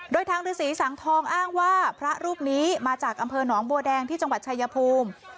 โดยทางฤษีสังทองอ้างว่าพระรูปนี้มาจากอำเภอหนองบัวแดงที่จังหวัดชายภูมิ